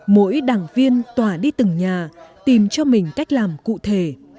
mỗi đảng viên tỏa đi từng nhà tìm cho mình cách làm cụ thể